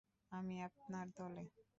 আমি আপনার দলে!